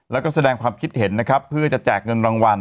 แล้วก็แสดงความคิดเห็นนะครับเพื่อจะแจกเงินรางวัล